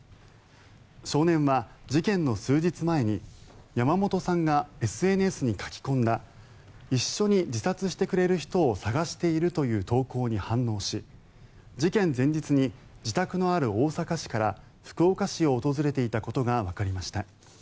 少年は事件の数日前に山本さんがＳＮＳに書き込んだ一緒に自殺してくれる人を探しているという投稿に反応し事件前日に自宅のある大阪市から福岡市を訪れていたことがわかりました。